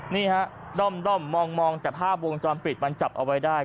นี่ฮะด้อมมองแต่ภาพวงจรปิดมันจับเอาไว้ได้